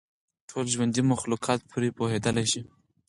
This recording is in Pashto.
ټول ژوندي مخلوقات پرې پوهېدلای شي.